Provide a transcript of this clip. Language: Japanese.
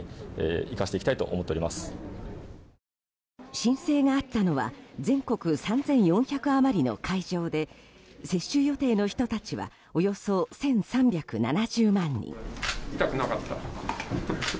申請があったのは全国３４００余りの会場で接種予定の人たちはおよそ１３７０万人。